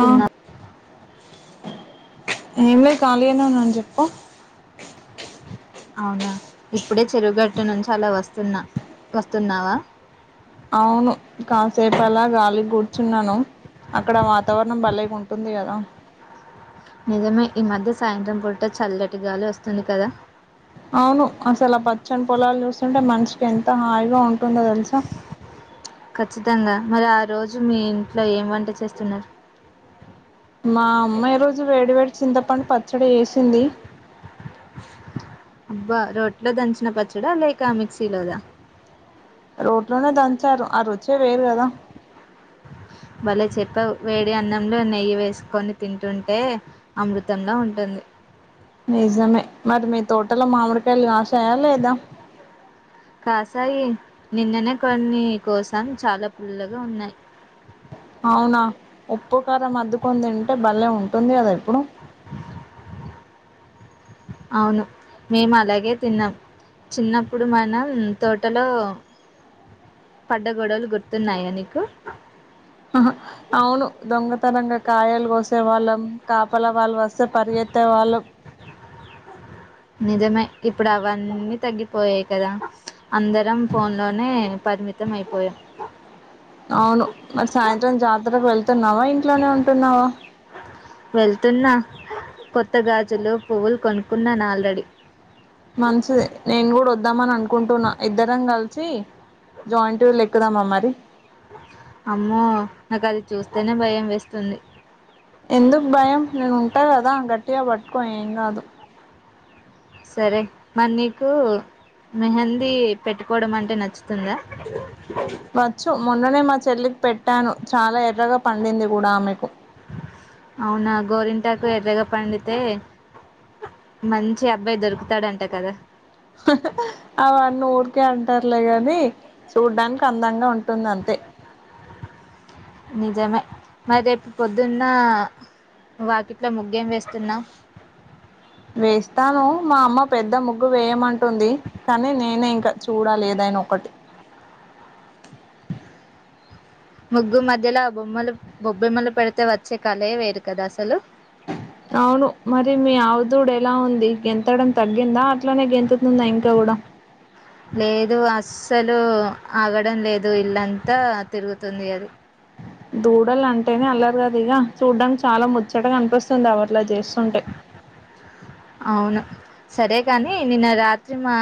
ఆ ఏమి లే ఖాళీ అనే ఉన్నాను చెప్పవ అవునా ఇప్పుడే చెరువుగట్టు నుంచి అలా వస్తున్నా వస్తున్నావా అవును కాసేపు అలా గాలి కూర్చున్నాను అక్కడ వాతావరణం భలే ఉంటుంది కదా నిజమే ఈ మధ్య సాయంత్రం పూట చల్లటి గాలి వస్తుంది కదా అవును అసలు ఆ పచ్చని పొలాలు చూస్తుంటే మనిషికి ఎంత హాయిగా ఉంటుందో తెలుసా ఖచ్చితంగా మరి ఆ రోజు మీ ఇంట్లో ఏం వంట చేస్తున్నారు మా అమ్మాయి రోజు వేడి వేడి చింతపండు పచ్చడి చేసింది అబ్బా రోట్లో దంచిన పచ్చడా లేక మిక్సీలోదా రోట్లోనే దంచారు ఆ రుచే వేరు కదా బలే చెప్పావ్ వేడి అన్నంలో నెయ్యి వేసుకొని తింటుంటే అమృతంల ఉంటుంది నిజమే మరి మీ తోటలో మామిడికాయలు కాసయా లేదా కాసాయి నిన్ననే కొన్ని కోసం చాలా పుల్లగా ఉన్నాయ్ అవునా ఉప్పు కారం మద్దుకొని తింటే భల్లే ఉంటుంది కద ఇప్పుడు అవును మేము అలాగే తిన్నాం చిన్నప్పుడు మనం తోటలో పడ్డ గొడవలు గుర్తున్నాయా నీకు అవును దొంగ తనంగా కాయలు కోసేవాళ్ళం కాపల వాళ్ళు వస్ స్తే పరిగెత్తే వాళ్ళం నిజమే ఇప్పుడు అవన్నీ తగ్గిపోయాయి కదా అందరం ఫోన్ లోనే పరిమితం అయిపోయమ్ అవును మరి సాయం జాతరకు వెళ్తున్నావా ఇంట్లోనే ఉంటున్నావా వెళ్తున్నా కొత్త గాజులు పువ్వులు కొనుక్కున్నాను ఆల్రెడీ దమనన్ కుంటున్నా ఇద్దరం కల్ సి జాయింట్ వీల్ ఎక్కుదామా మరి అమ్మో నాకు అది చూస్తేనే భయం వేస్తుంది ఎందుకు భయం నేను ఉంటా కదా గట్టిగా పట్టుకో ఏం కాదు సరే మరి నీకు మెహందీ పెట్టుకోవడం అంటే నచ్చుతుందా బ చు మొన్ననే చెల్లికి పెట్టాను చాలా ఎర్రగా పండింది కూడా ఆమెకు అవునా గోరింటాకు ఎర్రగా పండితే మంచి అబ్బాయి దొరుకుతాడంట కదా హా హా అవన్నీ ఊరికే అంటారులేగాని చూడ్డానికి అందంగా ఉంటుంది అంతే నిజమే మరి రేపు పొద్దున్నా వాకిట్లో ముగ్గేం వేస్తున్నావ్ వేస్తాను మా అమ్మ పెద్ద ముగ్గు వేయమంటుంది కానీ నేనే ఇంకా చూడాలి ఏదైన ఒకటి ముగ్గు మధ్యలో బొమ్మలు బొబ్బమ్మలు పెడితే వచ్చే కళే వేరు కదా అసలు అవును మరి మీ ఆవుదూడ ఎలా ఉంది గెంతడం తగ్గిందా అట్లానే గెంతుతుందా ఇంకా గుడా లేదు అస్సలు ఆగడం లేదు ఇల్లంతా తిరుగుతుంది అది దూడల్ అంటేనే అల్లర్ గదిగ చూడ్డానికి చాలా ముచ్చటగా అనిపిస్తుంది అవర్లా చేసి అవును సరే కానీ నిన్న రాత్రి మా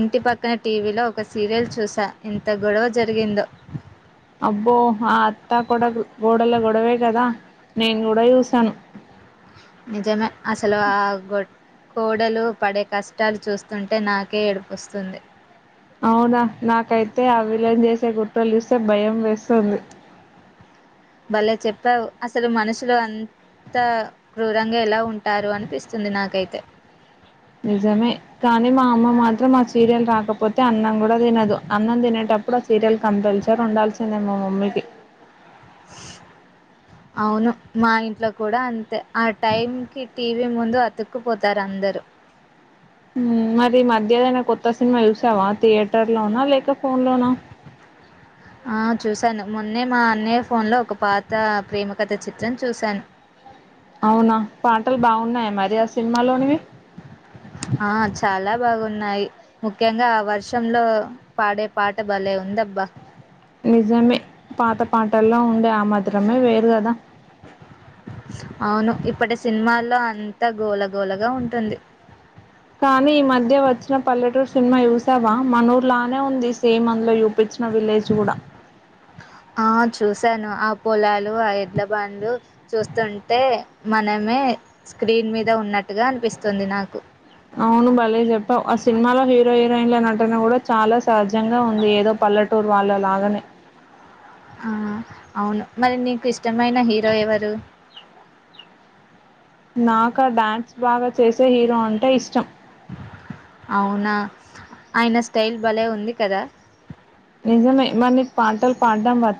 ఇంటి పక్కన టీవీలో ఒక సీరియల్ చూసా ఎంత గొడవ జరిగిందో అబ్బో ఆ అత్తా కోడలు గోడల గొడవే కదా నేను కూడ చూసను నిజమే అసలు ఆ గొ కోడలు పడే కష్టాలు చూస్తుంటే నాకే ఏడుపొస్తుంది అవునా నాకైతే ఆ విలన్ చేసే కుట్రలు చూస్తే భయం వేస్తుంది భలే చెప్పావు అసలు మనుషులు అంత క్రూరంగా ఎలా ఉంటారు అనిపిస్తుంది నాకైతే నిజమే కానీ మా అమ్మ మాత్రం ఆ సీరియల్ రాకపోతే అన్నం గుడా తినదు అన్నం తినేటప్పుడు ఆ సీరియల్ కంపల్సరీ ఉండాల్సిందే మా మమ్మీకి అవును మా ఇంట్లో కూడా అంతే ఆ టైంకి టీవీ ముందు అతుక్కుపోతారు అందరూ మరి మధ్య ఏదైనా కొత్త సినిమా చూసావా థియేటర్ లోన లేక ఫోన్లోనా ఆ చూశాను మొన్నే మా అన్నయ్య ఫోన్లో ఒక పాత ప్రేమకథ చిత్రం చూశాను అవున పాటలు బాగున్నాయా మరి ఆ సినిమాలోనివి ఆ చాలా బాగున్నాయి ముఖ్యంగా వర్షంలో పాడే పాట భలే ఉందబ్బ నిజమే పాత పాటల్లో ఉండే ఆ మధురమే వేరు కదా అవును ఇప్పటి సినిమాల్లో అంత గోలగోలగా ఉంటుంది కానీ ఈ మధ్య వచ్చిన పల్లెటూర్ సినిమా చూసావా మనూర్లానే ఉంది సేమ్ అందులో చూపించిన విలేజ్ కూడా ఆ చూశాను ఆ పొలాలు ఆ ఎడ్ల బండ్లు చూస్తుంటే మనమే స్క్రీన్ మీద ఉన్నట్టుగా అనిపిస్తుంది నాకు అవును భలే చెప్పావు ఆ సినిమాలో హీరో హీరోయిన్ల నటన గుడా చాలా సహజంగా ఉంది ఏదో పల్లెటూరు వాళ్ళలాగానే ఆ అవును మరి నీకు ఇష్టమైన హీరో ఎవరు నాకా డ్యాన్స్ బాగా చేసే హీరో అంటే ఇష్టం అవునా ఆయన స్టైల్ భలే ఉంది కదా నిజమే మరి నీకు పంటలు పాండడం వచ్ [inaudible]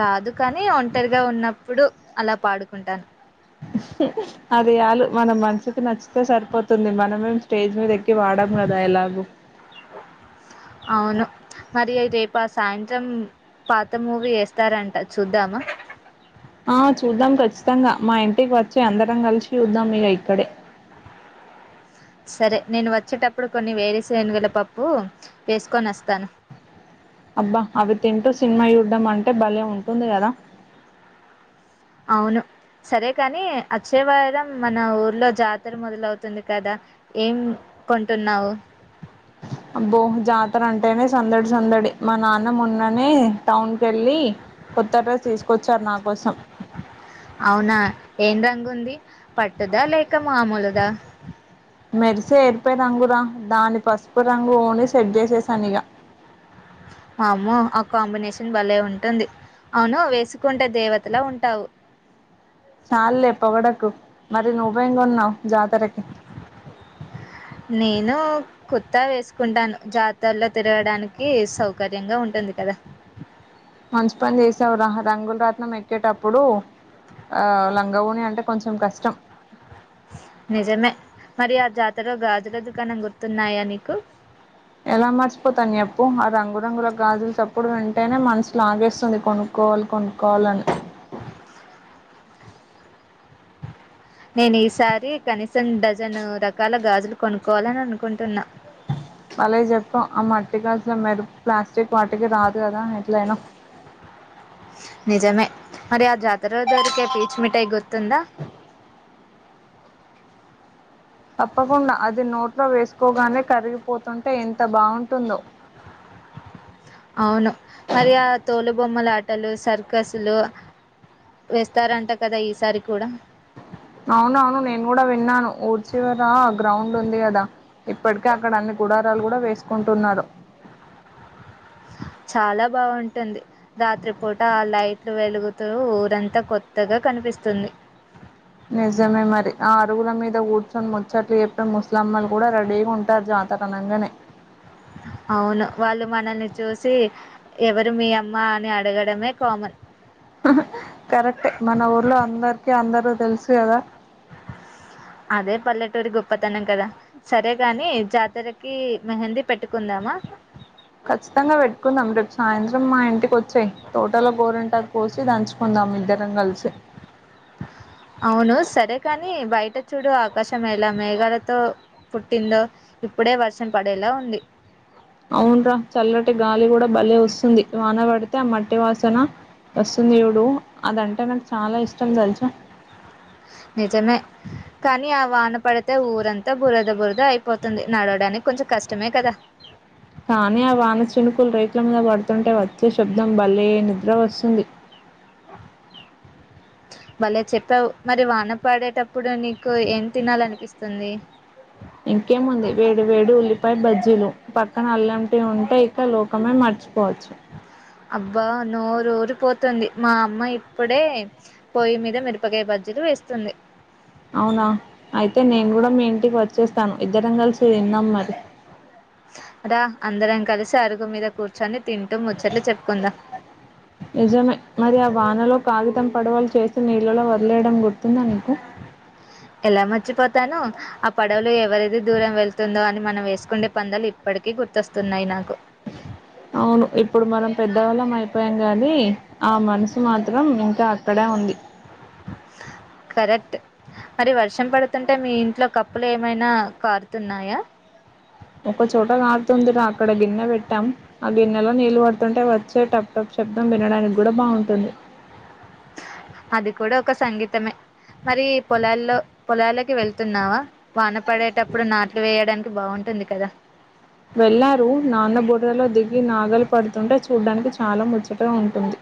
రాదు కాని ఉ ఒంటరిగా ఉన్నప్పుడు అలా పాడుకుంటాను అది చాలు మన మనసుకి నచ్చితే సరిపోతుంది మనమేం స్టేజ్ మీద ఎక్కి పాడాం కదా ఎలాగో అవును మరి రేపు ఆ సాయంత్రం పాత మూవీ ఏస్తారంట చూద్దామా ఆ చూద్దాం ఖచ్చితంగా మా ఇంటికి వచ్చి అందరం కలిసి చూద్దాం ఇగ ఇక్కడే సరే నేను వచ్చేటప్పుడు కొన్ని వేరుశనగల పప్పు వేసుకొని వస్తాను అబ్బ అవి తింటూ సినిమా చూడ్డం అంటే భలే ఉంటుంది కదా అవును సరే కానీ అచ్చే వారం మన ఊర్లో జాతర మొదలవుతుంది కదా ఏం కొంటున్నావు అబ్బో జాతర అంటేనే సందడి సందడి మా నాన్న మొన్ననే టౌన్ వెళ్ళి కొత్త డ్రెస్ తీసుకొచ్చారు నా కోసం అవునా ఏం రంగు ఉంది పట్టుదా లేక మాముూలుదా మెరిసే ఎరుపే రంగురా దాని పసుపు పు రంగు ఓని సెట్ చేసేసాను ఇగ వామ్మో ఆ కాంబినేషన్ భలే ఉంటుంది అవును వేసుకుంటే దేవతలా ఉంటావు చాల్లే పొగడకు మరి నువ్వేం కొన్నావు నేనూ కుర్తా వేసుకుంటాను జాతర్ల తిరగడానికి సౌకర్యంగా ఉంటుంది కదా మంచి పని చేసావు రా రంగుల రాట్నం ఎక్కేటప్పుడు ఆ లంగ ఓని అంటే కొంచెం కష్టం నిజమే మరి ఆ జాతరలో గాజుల దుకానం గుర్తున్నాయా నీకు ఎలా మర్చిపోతాని అప్పు ఆ రంగురంగుల గాజులు చెప్పుడు వెంటేనే మనసు లాగేస్తుంది కొనుక్కోలు కొన్కాలన్ నేను ఈసారి కనీసం డజన్ రకాల గాజులు కొనుక్కవాలని అనుకుంటున్నా బలే చెప్పావ్ ఆ మట్టికి అసలు మెరు ప్లాస్టిక్ వాటికి రాదు కదా ఎట్లయినా నిజమే మరి అ జాతర దొరికే పీచ్ మిఠాయ్ గుర్తుందా తప్పకుండా అది నోట్లో వేసుకోగానే కరిగిపోతుంటే ఎంత బాగుంటుందో అవును మరి ఆ తోలు బొమ్మల ఆటలు సర్కసులు వేస్తారంట కదా ఈసారి కూడా అవునవును నేను కూడా విన్నాను ఊరి చివర గ్రౌండ్ ఉంది కదా ఇప్పటికే అక్కడ అన్ని గుడారాలు కూడా వేసుకుంటున్నారు చాలా బాగుంటుంది రాత్రిపూట ఆ లైట్లు వెలుగుతూ ఊరంతా కొత్తగా కనిపిస్తుంది. నిజమే మరి ఆ అరుగుల మీద కూర్చొని ముచ్చట్లు చె ముస్లమ్మళ్లు కూడా రెడీగా ఉంటారు జాతరనంగానే అవును వాళ్ళు మనల్ని చూసి ఎవరు మీ అమ్మ అని అడగడమే కామన్ కరెక్టే మన ఊర్లో అందరికీ అందరూ తెలుసు కదా అదే పల్లెటూరి గొప్పతనం కదా సరేగాని జాతరకి మెహందీ పెట్టుకుందామా ఖచ్చితంగా పెట్టుకుందాం రేపు సాయంత్రం మా ఇంటికి వచ్చెయ్ తోటలో గోరంట కోసి దంచుకుందాం ఇద్దరం కలిసి అవును సరే కానీ బయట చూడు ఆకాశం ఎలా మేఘాలతో పుట్టిందో ఇప్పుడే వర్షం పడేలా ఉంది. అవున్రా చల్లటి గాలి కూడా బలే వస్తుంది వాన పడితే ఆ మట్టి వాసన వస్తుంది జూడు అదంటే నాకు చాలా ఇష్ ష్టం తెలుసా నిజమే కానీ ఆ వాన పడితే ఊరంతా బురద బురద అయిపోతుంది నడవడానికి కొంచెం కష్టమే కదా కానీ ఆ వాన చినుకులు రేఖల మీద పడుతుంటే వచ్చే శబ్దం భలే నిద్ర వస్తుంది భలే చెప్పావు మరి వాన పాడేటప్పుడు నీకు ఏం తినాలనిపిస్తుంది ఇంకేముంది వేడి వేడి ఉల్లిపాయ బజ్జీలు పక్కన అల్లం టీ ఉంటే ఇక లోకమే మర్చిపో అబ్బా నోరుఊరు పోతుంది మా అమ్మ ఇప్పుడే పొయ్యి మీద మిరపకాయ బజ్జీలు వేస్తుంది అవునా అయితే నేను కూడా మీ ఇంటికి వచ్చేస్తాను ఇద్దరం కలిసి తిందాం మరి రా అందరం కలిసి అరుగు మీద కూర్చొని తింటూ ముచ్చట్లు చెప్పుకుందాం నిజమే మరి ఆ వానలో కాగితం పడవలు చేసి నీళ్ళలో వ వెళ్లడం గు తుందా నీకు తను ఆ పడవులు ఎవరిది దూరం వెళ్తుందో అని మనం వేసుకుండే పందాలు ఇప్పటికీ గుర్తొస్తున్నాయి నాకు అవును ఇప్పుడు మనం పెద్దవాళ్ళం అయిపోయాం గానీ ఆ మనసు మాత్రం ఇంకా అక్కడే ఉంది. కరెక్ట్ మరి వర్షం పడుతుంటే మీ ఇంట్లో కప్పులు ఏమైనా కారుతున్నాయా ఒకచోట కారుతుంది రా అక్కడ గిన్నె పెట్టాం ఆ గిన్నెలో నీళ్లు పడుతుంటే వచ్చే టప్ టప్ శబ్దం వినడానికి కూడా బాగుంటుంది అది కూడా ఒక సంగీతమే మరి పొలాల్లో పొలాలకి వెళ్తున్నావా వాన పడేటప్పుడు నాట్లు వేయడానికి బాగుంటుంది కదా వెళ్లారు నాన్న బుర్రలో దిగి నాగలు పడుతుంటే చూడ్డానికి చాలా ముచ్చట ఉంటుంది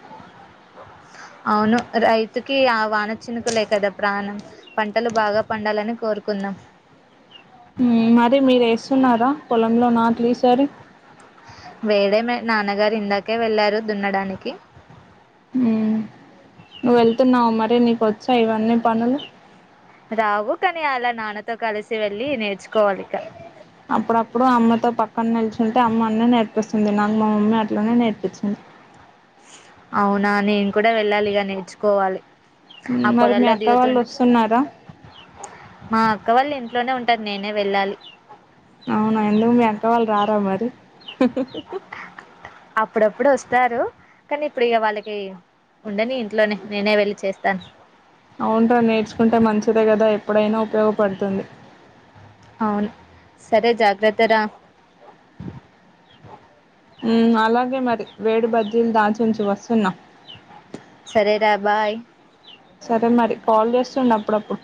అవును రైతుకి ఆ వాన చినుకలే కదా ప్రాణం పంటలు బాగా పండాలని కోరుకుందాం. హ్మ్ మరి మీరు వేస్తున్నారా పొలంలో నాట్లు ఈ సారి వేడే నాన్నగారు ఇందాకే వెళ్ళారు దున్నడానికి హ్మ్ నువ్వు వెళ్తున్నావ మరి నీకు వ సైవాన్నీ రావు కాని అలా నాన్న తో కలిసి వెల్లీ నేర్చు అప్పుడప్పుడు అమ్మతో పక్కన నిలిచుంటే అమ్మ అన్ని నేర్పు పిస్తుంది నాకు మా మమ్మీ అట్లనే నేర్పించింది అవునా నేను కూడా వెళ్ళాలి ఇగ నేర్చుకోవాలి ఆ మరి మీ పొలాల్లో అక్క దిగుతు వాళ్ళు వస్తున్నారా మా అక్క వాళ్ళ ఇంట్లోనే ఉంటది నేనే వెళ్ళాలి అవునా ఎందుకు మీ అక్క వాళ్ళు రారు ఆ మరి అప్పుడప్పుడు వస్తారు కానీ ఇప్పుడు ఇగ వాళ్ళకి ఉండని ఇంట్లో నే నేనే వెళ్లి చేస్ తన్ అవును రా నేర్చుకుంటే మంచిదే కదా ఎప్పుడైనా ఉపయోగపడుతుంది అవును సరే జాగ్రత్త రా ఉమ్ అలాగే మరి వేడి బజ్జిలు దాచిఉంచు వస్తున్నా సరే రా బాయ్ సరే మరి కాల్ చేస్తుండు అప్పుడప్పుడు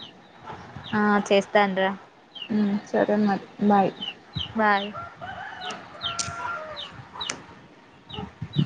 ఆ చేస్తాను రా ఉ సరే మరి బాయ్ బాయ్ అ